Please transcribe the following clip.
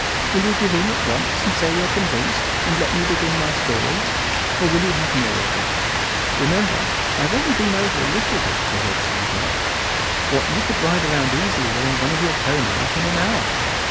Will you give in at once, and say you're convinced, and let me begin my story, or will you have more of it? Remember, I've only been over a little bit of the hillside yet what you could ride round easily on your ponies in an hour.